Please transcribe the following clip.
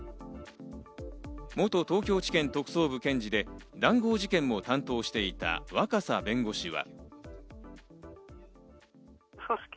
元東京地検特捜部検事で談合事件も担当していた若狭弁護士は。